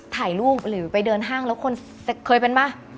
ถ่ายรูปหรือไปเดินห้างแล้วคนเข้ามา